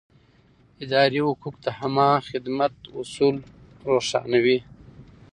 اداري حقوق د عامه خدمت اصول روښانوي.